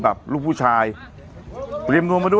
ปรากฏว่าจังหวัดที่ลงจากรถ